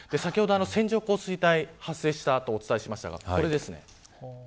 先ほど線状降水帯が発生したとお伝えしましたが、こちらです。